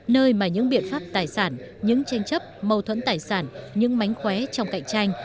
nơi mà những biện pháp tài sản những tranh chấp mâu thuẫn tài sản những mánh khóe trong cạnh tranh